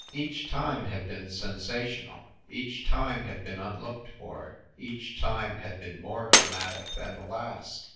Each time had been sensational, each time had been unlooked for, each time had been more dramatic than the last.